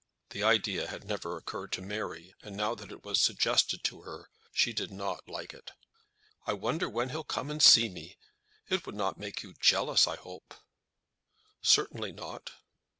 The idea had never occurred to Mary, and now that it was suggested to her, she did not like it. "I wonder when he'll come and see me. It would not make you jealous, I hope." "Certainly not."